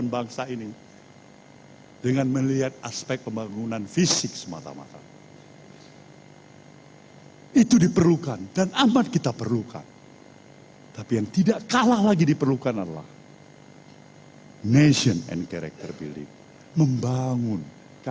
nasdem melihat seorang sosok